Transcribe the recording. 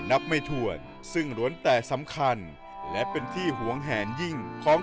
นับไม่ถวดซึ่งล้วนแต่สำคัญและเป็นที่หวงแหนยิ่งของ